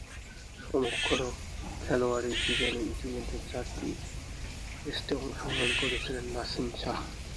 সমগ্র খেলোয়াড়ী জীবনে ইতোমধ্যে চারটি টেস্টে অংশগ্রহণ করেছেন নাসিম শাহ।